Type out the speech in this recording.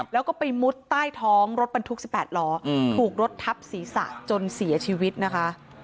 แล้วก็ไปมุดใต้ท้องรถบรรทุก๑๘ล้อถูกรถทับศีรษะจนเสียชีวิตนะคะ